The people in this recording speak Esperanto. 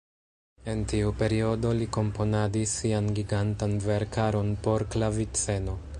En tiu periodo li komponadis sian gigantan verkaron por klaviceno.